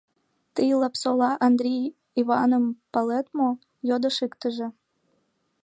— Тый Лапсола Андри Иваным палет мо? — йодеш иктыже.